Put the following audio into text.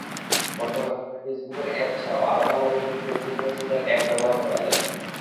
বর্তমানে ফেসবুকের অ্যাপ ছাড়াও আলাদাভাবে শুধু ফেসবুক মেসেঞ্জার অ্যাপ ব্যবহার করা যায়।